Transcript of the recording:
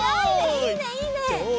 いいねいいね！